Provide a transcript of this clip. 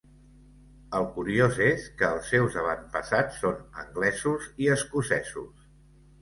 El curiós és que els seus avantpassats són anglesos i escocesos.